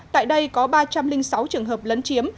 tại đây có ba trăm linh sáu trường hợp lấn chiếm